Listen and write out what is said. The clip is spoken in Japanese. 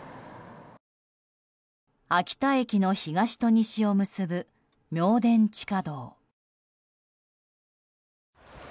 秋田駅の東を西を結ぶ明田地下道。